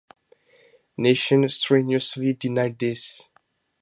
Nation strenuously denied this.